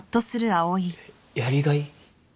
えやりがい？